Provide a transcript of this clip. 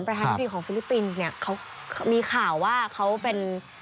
เขามีข่าวว่าเขาเป็น